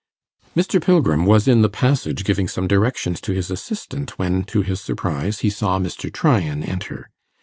Mr. Pilgrim was in the passage giving some directions to his assistant, when, to his surprise, he saw Mr. Tryan enter.